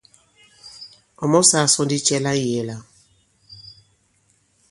Ɔ̀ mɔsāā sɔ ndi cɛ la ŋ̀yēē la?